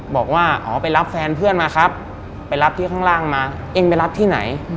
บอกว่าอ๋อไปรับแฟนเพื่อนมาครับไปรับที่ข้างล่างมาเองไปรับที่ไหน